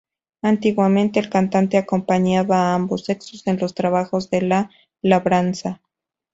Antiguamente el cante acompañaba a ambos sexos en los trabajos de la labranza.